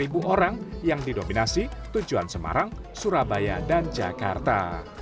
di kampung halaman tercatat dua belas orang yang didominasi tujuan semarang surabaya dan jakarta